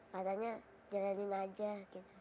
padanya jalanin aja gitu